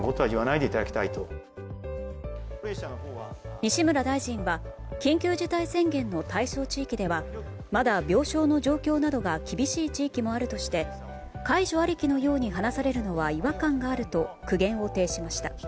西村大臣は緊急事態宣言の対象地域ではまだ、病床の状況などが厳しい地域もあるとして解除ありきのように話されるのは違和感があると苦言を呈しました。